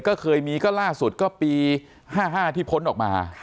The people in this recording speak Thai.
ก็เคยมีก็ล่าสุดก็ปี๕๕ที่พ้นออกมา